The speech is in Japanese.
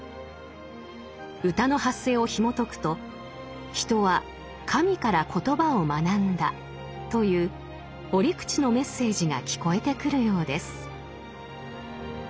歌の発生をひもとくと「人は神から言葉を学んだ」という折口のメッセージが聞こえてくるようです。